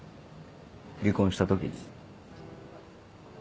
離婚した時に。